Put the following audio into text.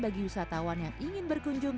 bagi wisatawan yang ingin berkunjung